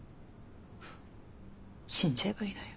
死んじゃえばいいのよ